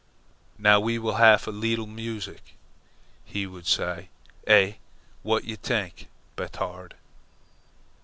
"Now we will haf a leetle museek," he would say. "Eh? W'at you t'ink, Batard?"